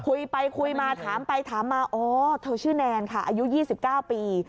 คุยไปคุยมาถามไปถามมาอ๋อเธอชื่อแนนค่ะอายุ๒๙ปี